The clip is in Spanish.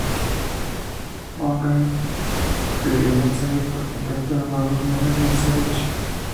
Wagner escribió el ensayo por completo en unos dos meses, en Zúrich.